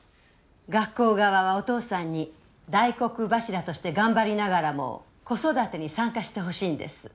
学校側はお父さんに大黒柱として頑張りながらも子育てに参加してほしいんです。